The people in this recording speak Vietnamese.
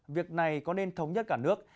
việc này có nên thống nhất cả nước